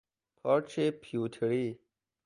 پارچ پیوتری